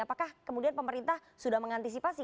apakah kemudian pemerintah sudah mengantisipasi